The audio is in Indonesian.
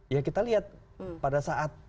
ya kita lihat pada saat